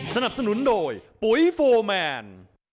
สนับสนุนโดยปุ๋ยโฟร์แมน